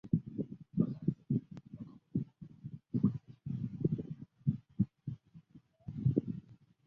学士视光学位需费时四年来完成。